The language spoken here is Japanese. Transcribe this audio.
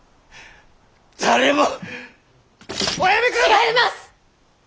違います！